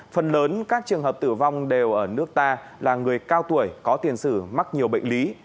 phần lớn các trường hợp tử vong đều ở nước ta là người cao tuổi có tiền sử mắc nhiều bệnh lý